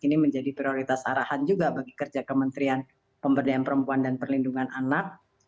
ini menjadi prioritas arahan juga bagi kerja kementerian pemberdayaan perempuan dan perlindungan anak